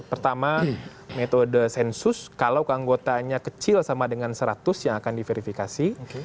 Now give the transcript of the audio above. pertama metode sensus kalau keanggotanya kecil sama dengan seratus yang akan diverifikasi